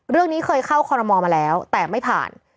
เรื่องนี้เคยเข้าคอรมอลมาแล้วแต่ไม่ผ่าน